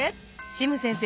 シム先生